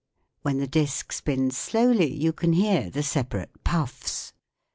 When the disc spins slowly you can hear the separate puffs.